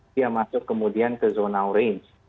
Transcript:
dia masuk kemudian ke zona orange